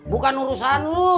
bukan urusan lo